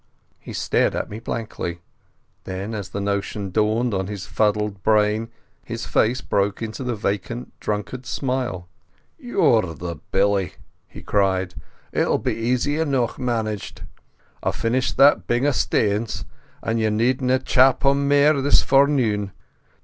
He stared at me blankly; then, as the notion dawned on his fuddled brain, his face broke into the vacant drunkard's smile. "You're the billy," he cried. "It'll be easy eneuch managed. I've finished that bing o' stanes, so you needna chap ony mair this forenoon.